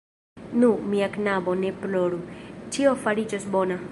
Nu, mia knabo, ne ploru; ĉio fariĝos bona.